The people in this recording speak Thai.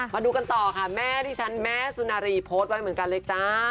มาดูกันต่อค่ะแม่ที่ฉันแม่สุนารีโพสต์ไว้เหมือนกันเลยจ้า